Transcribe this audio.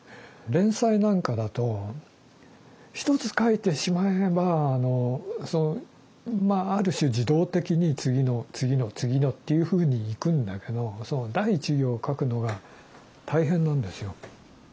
連載なんかだと一つ書いてしまえばまあある種自動的に次の次の次のっていうふうにいくんだけどその第１行を書くのが大変なんですよ。